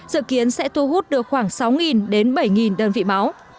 dự kiến sẽ thu hút được khoảng sáu đến bảy đơn vị máu